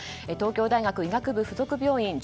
東京大学医学部附属病院